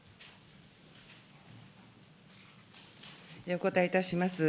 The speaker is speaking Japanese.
お答えいたします。